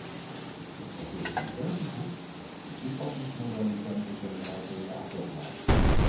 Ook al is de intentie goed, de toepassingsmodaliteiten zijn daarentegen aanvechtbaar.